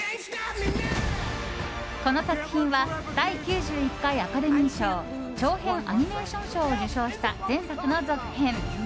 この作品は第９１回アカデミー賞長編アニメーション賞を受賞した前作の続編。